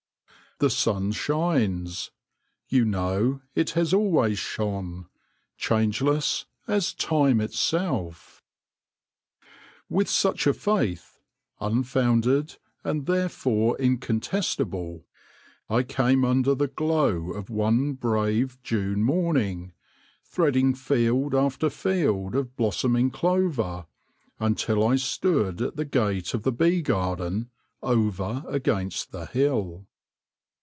The sun shines : you know it has always shone, changeless as Time itself. With such a faith — unfounded and therefore in contestable — I came under the glow of one brave 1 86 THE LORE OF THE HONEY BEE June morning, threading field after field of blossoming clover until I stood at the gate of the bee garden over against the hill.